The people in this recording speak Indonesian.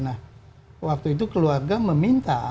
nah waktu itu keluarga meminta